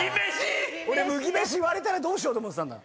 俺「麦飯」言われたらどうしようと思ってたんだ。